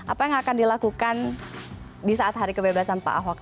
apa yang akan dilakukan di saat hari kebebasan pak ahok